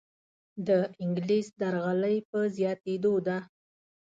دانګلیس درغلۍ په زیاتیدو ده.